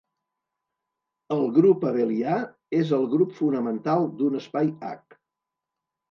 El grup abelià és el grup fonamental d'un espai H.